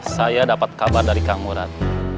saya dapat kabar dari kang urat